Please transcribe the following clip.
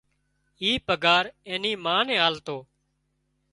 اي پگھار اين نِي مان نين آلتو